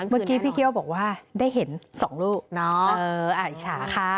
เมื่อกี้พี่เคี่ยวบอกว่าได้เห็น๒ลูกอิจฉาค่ะ